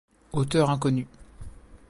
Auteur inconnu.